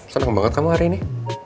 senang banget kamu hari ini